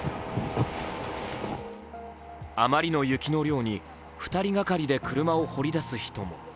あまりの雪の量に２人がかりで車を掘り出す人も。